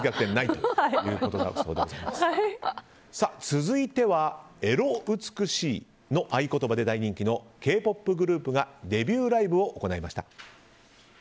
続いては、エロ美しいの合言葉で大人気のＫ‐ＰＯＰグループがデビューライブを行いました。